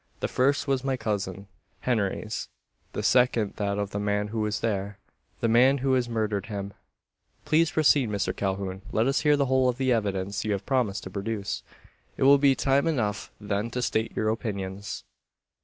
The first was my cousin Henry's the second that of the man who is there the man who has murdered him." "Please proceed, Mr Calhoun! Let us hear the whole of the evidence you have promised to produce. It will be time enough then to state your opinions."